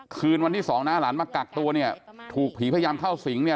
คืนวันที่สองนะหลานมากักตัวเนี่ยถูกผีพยายามเข้าสิงเนี่ย